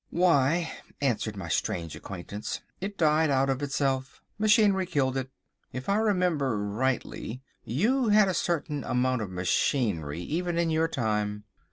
"Why," answered my strange acquaintance, "it died out of itself. Machinery killed it. If I remember rightly, you had a certain amount of machinery even in your time.